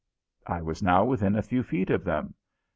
I was now within a few feet of them.